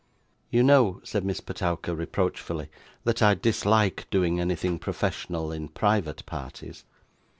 'You know,' said Miss Petowker, reproachfully, 'that I dislike doing anything professional in private parties.